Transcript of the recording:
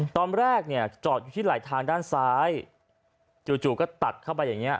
ตอนแรกเนี่ยจอดอยู่ที่ไหลทางด้านซ้ายจู่ก็ตัดเข้าไปอย่างนี้